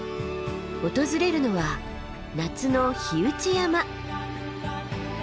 訪れるのは夏の火打山。